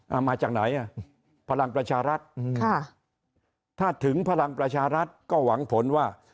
เอามาจากไหนอ่ะภารังประชารัฐถ้าถึงภอรัฐก็หวังผลว่า